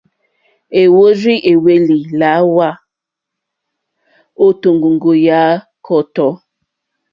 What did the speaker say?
Èwɔ́rzì èhwélì lǎhwà ô tóŋgóŋgó yà kɔ́tɔ́.